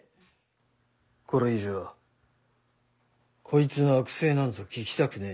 これ以上こいつの悪声なんぞ聞きたくねえ。